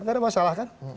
tidak ada masalah kan